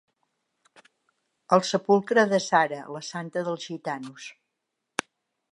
El sepulcre de Sara, la Santa dels gitanos.